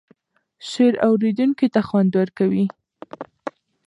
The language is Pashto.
شعر اوریدونکی ته خوند ورکوي.